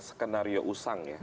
skenario usang ya